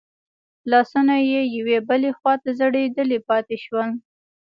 لاسونه يې يوې بلې خواته ځړېدلي پاتې شول.